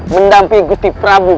mendamping gusti brabu